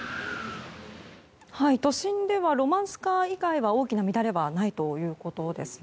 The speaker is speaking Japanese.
都心ではロマンスカー以外は大きな乱れはないということですね。